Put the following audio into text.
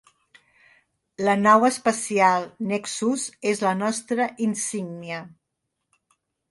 La nau espacial Nexus és la nostra insígnia.